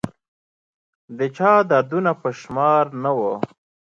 د چا دردونه په شمار نه وه